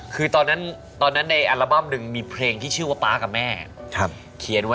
คือตอนนั้นในอัลบั้มหนึ่งมีเพลงที่ชื่อว่าป๊ากับแม่เขียนไว้